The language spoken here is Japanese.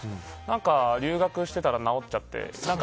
留学してたら治っちゃって。